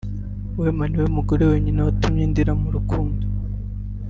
"Wema ni we mugore wenyine watumye ndira mu rukundo